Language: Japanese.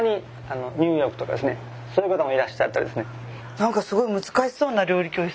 何かすごい難しそうな料理教室。